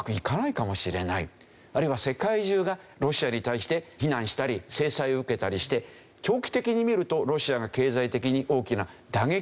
あるいは世界中がロシアに対して非難したり制裁を受けたりして長期的に見るとロシアが経済的に大きな打撃を受ける。